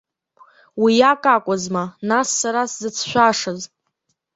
Уиак акәзма, нас, сара сзыцәшәашаз?